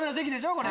これ。